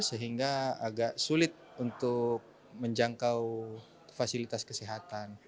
sehingga agak sulit untuk menjangkau fasilitas kesehatan